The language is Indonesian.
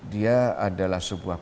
dia adalah sebuah